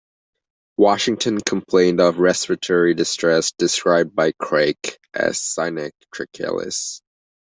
Washington complained of respiratory distress, described by Craik as "cynanche trachealis".